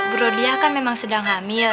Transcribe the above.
bro dia kan memang sedang hamil